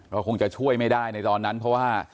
ก็คงจะช่วยไม่ได้ในตอนนั้นเพราะว่า